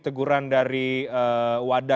teguran dari wada